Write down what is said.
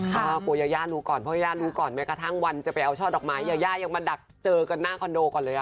กลัวยาย่ารู้ก่อนเพราะยารู้ก่อนแม้กระทั่งวันจะไปเอาช่อดอกไม้ยาย่ายังมาดักเจอกันหน้าคอนโดก่อนเลย